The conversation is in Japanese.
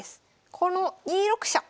この２六飛車。